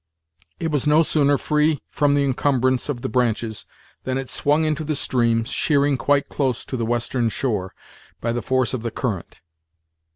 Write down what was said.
It was no sooner free from the incumbrance of the branches, than it swung into the stream, sheering quite close to the western shore, by the force of the current.